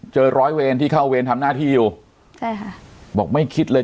ร้อยเวรที่เข้าเวรทำหน้าที่อยู่ใช่ค่ะบอกไม่คิดเลย